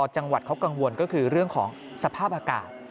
จังหวัดเขากังวลก็คือเรื่องของสภาพอากาศ